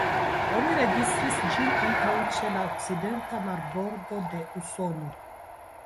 Oni registris ĝin ankaŭ ĉe la okcidenta marbordo de Usono.